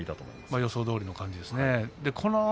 予想どおりの感じですね。